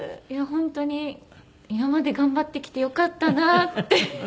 本当に今まで頑張ってきてよかったなって。